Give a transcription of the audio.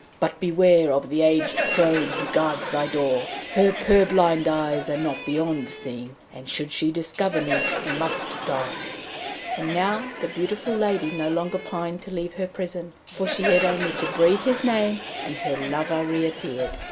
But beware of the aged crone who guards thy door! Her purblind eyes are not beyond seeing, and should she discover me I must die.' And now the beautiful lady no longer pined to leave her prison, for she had only to breathe his name, and her lover reappeared.